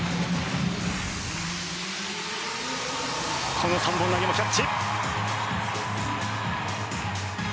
この３本投げもキャッチ。